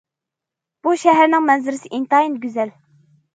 بۇ شەھەرنىڭ مەنزىرىسى ئىنتايىن گۈزەل.